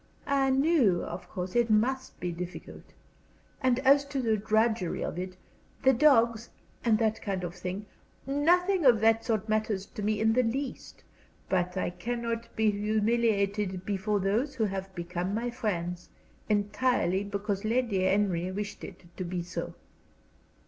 "I knew, of course, it must be difficult. And as to the drudgery of it the dogs, and that kind of thing nothing of that sort matters to me in the least. But I cannot be humiliated before those who have become my friends, entirely because Lady Henry wished it to be so."